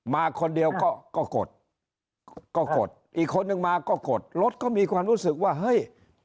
มาคนเดียวก็ก็กดก็กดอีกคนนึงมาก็กดรถก็มีความรู้สึกว่าเฮ้ย